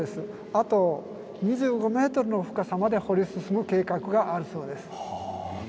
あと２５ｍの深さまで掘り進む計画があるそうです。